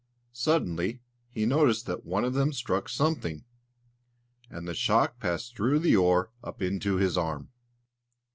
Suddenly he noticed that one of them struck something, and the shock passed through the oar up into his arm.